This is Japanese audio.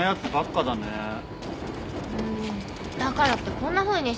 うんだからってこんなふうに捨てなくても。